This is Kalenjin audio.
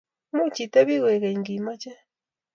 Much itebi koegeny ngimache